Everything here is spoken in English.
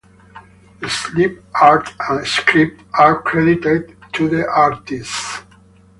The sleeve art and script are credited to the artiste.